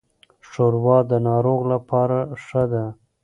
ښوروا د ناروغ لپاره ښه ده.